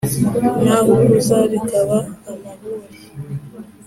nahuguza bikaba amahuri